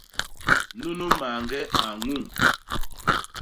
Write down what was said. Nunu mañge a ñuñg.